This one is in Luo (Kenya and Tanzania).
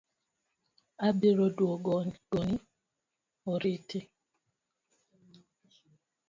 Abiro duogo goni oriti